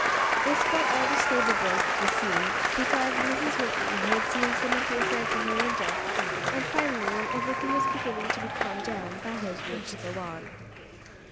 This brought all the stable boys to the scene, besides Mrs. Whitney who had seen some of the affair from her window; and finally, when everything was beginning to be calmed down, Battles reached the lawn.